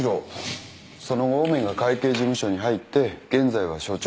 その後オメガ会計事務所に入って現在は所長。